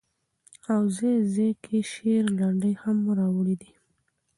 او ځاى ځاى کې شعر، لنډۍ هم را وړي دي